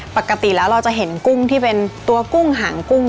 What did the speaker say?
ปกติแล้วเราจะเห็นกุ้งที่เป็นตัวกุ้งหางกุ้ง